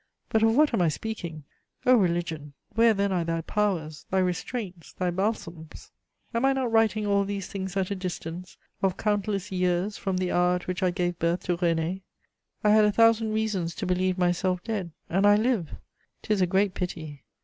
But of what am I speaking! O religion, where then are thy powers, thy restraints, thy balsams! Am I not writing all these things at a distance of countless years from the hour at which I gave birth to René? I had a thousand reasons to believe myself dead, and I live! 'Tis a great pity.